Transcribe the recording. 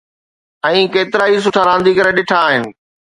۽ ڪيترائي سٺا رانديگر ڏنا آهن.